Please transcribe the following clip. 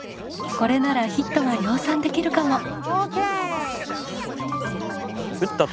これならヒットが量産できるかも！